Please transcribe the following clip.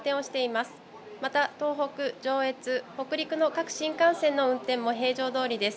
また東北、上越、北陸の各新幹線の運転も平常どおりです。